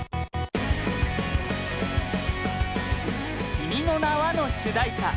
『君の名は。』の主題歌